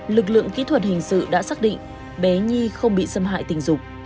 lực lượng kỹ thuật hình sự đã xác định bé nhi không bị xâm hại tình dục